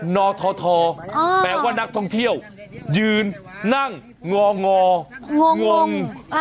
นททแปลว่านักท่องเที่ยวยืนนั่งงององง